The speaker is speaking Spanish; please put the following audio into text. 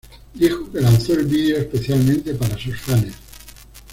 Dijo que lanzó el video especialmente para sus fanes.